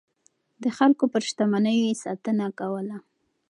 د خلکو پر شتمنيو يې ساتنه کوله.